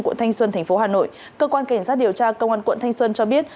quận thanh xuân tp hà nội cơ quan cảnh sát điều tra công an quận thanh xuân cho biết